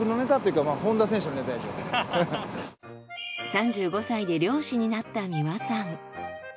３５歳で漁師になった三輪さん。